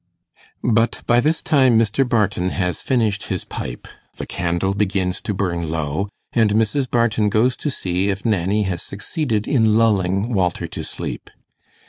But by this time Mr. Barton has finished his pipe, the candle begins to burn low, and Mrs. Barton goes to see if Nanny has succeeded in lulling Walter to sleep.